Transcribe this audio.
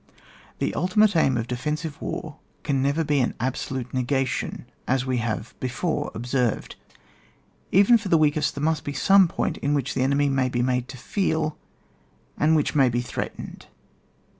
Thb ultimate aim of defensive war can never be an absolute negation, as we have before observed. Even for the weakest there must be some point in which the enemy may be made to feel, and which may be threatened.